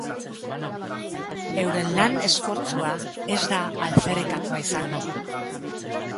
Euren lan esfortzua ez da alferrikakoa izango.